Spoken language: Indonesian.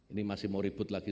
ini masih mau ribut lagi